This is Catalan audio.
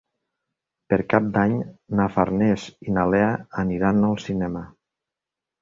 Per Cap d'Any na Farners i na Lea aniran al cinema.